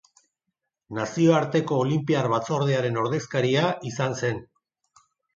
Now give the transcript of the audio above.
Nazioarteko Olinpiar Batzordearen ordezkaria izan zen.